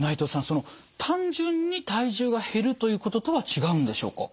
その単純に体重が減るということとは違うんでしょうか？